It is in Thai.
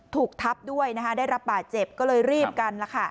ถูกทับด้วยนะคะได้รับบาดเจ็บก็เลยรีบกัน